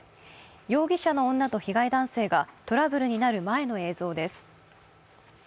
容疑者の女と被害男性がトラブルになる前の映像です。